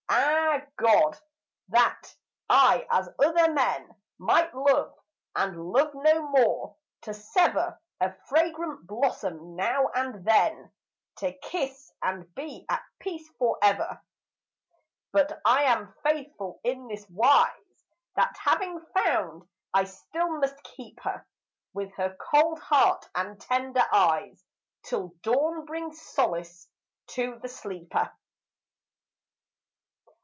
Ah, God, that I as other men Might love, and love no more ; to sever A fragrant blossom now and then, To kiss and be at peace for evert 112 THE DREAM THAT HAS NO END But I am faithful in this wise That having found I still must keep her, With her cold heart and tender eyes, Till dawn brings solace to the sleeper.